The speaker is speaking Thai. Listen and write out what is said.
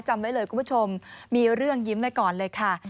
จำไว้เลยคุณผู้ชมมีเรื่องยิ้มไว้ก่อนเลยค่ะ